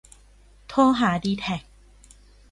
โทรหาดีแทค